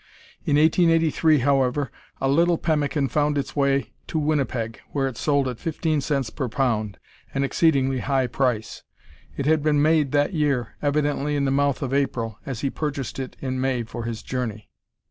In 1883, however, a little pemmican found its way to Winnipeg, where it sold at 15 cents per pound; an exceedingly high price. It had been made that year, evidently in the mouth of April, as he purchased it in May for his journey.